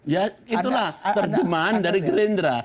ya itulah terjemahan dari gerindra